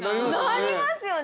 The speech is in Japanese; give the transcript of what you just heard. ◆なりますよね。